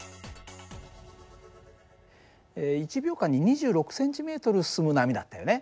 １秒間に２６ｃｍ進む波だったよね。